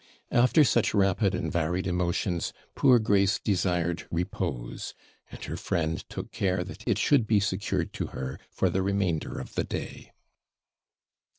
After such rapid and varied emotions, poor Grace desired repose, and her friend took care that it should be secured to her for the remainder of the day.